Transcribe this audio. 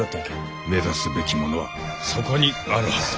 目指すべきものはそこにあるはずだ。